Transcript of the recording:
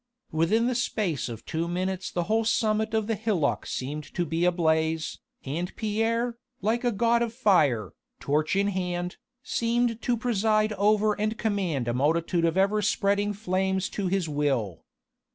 Within the space of two minutes the whole summit of the hillock seemed to be ablaze, and Pierre, like a god of fire, torch in hand, seemed to preside over and command a multitude of ever spreading flames to his will.